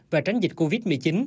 và tránh dịch covid một mươi chín